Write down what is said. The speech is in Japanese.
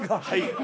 はい。